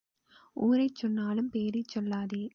ஊரைச் சொன்னாலும் பேரைச் சொல்லாதே.